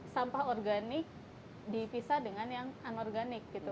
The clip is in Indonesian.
sampah organik dipisah dengan yang anorganik gitu